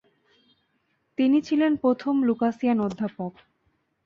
তিনি ছিলেন প্রথম লুকাসিয়ান অধ্যাপক।